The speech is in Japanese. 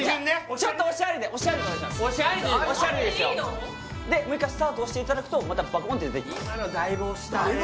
ちょっと押しアリで押しアリでいいの？でもう一回スタート押していただくとまたバコンって出てきます